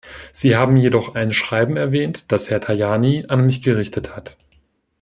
Sie haben jedoch ein Schreiben erwähnt, das Herr Tajani an mich gerichtet hat.